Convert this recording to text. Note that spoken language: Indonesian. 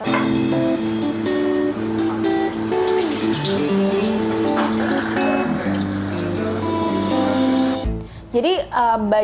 jadi bagian ini apa yang menarik mas dari ruang lantai dua ini